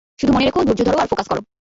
শুধু মনে রেখ, ধৈর্য ধরো আর ফোকাস করো।